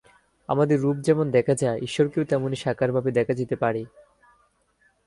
আমাদের রূপ যেমন দেখা যায়, ঈশ্বরকেও তেমনি সাকারভাবে দেখা যেতে পারে।